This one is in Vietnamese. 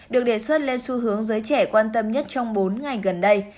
được đề xuất lên xu hướng giới trẻ quan tâm nhất trong bốn ngày gần đây